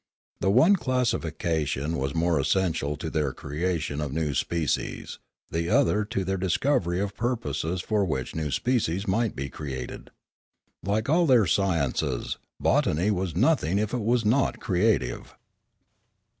The one classification was more essential to their creation of new species, the other to their dis covery of purposes for which new species might be created. Like all their sciences, botany was nothing if it was not creative.